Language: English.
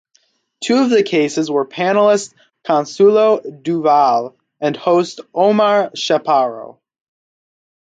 Two of the cases were panelist Consuelo Duval and host Omar Chaparro.